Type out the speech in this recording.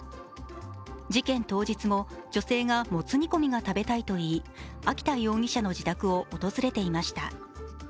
事件当日も女性がもつ煮込みが食べたいと言い秋田容疑者の自宅を訪れていました。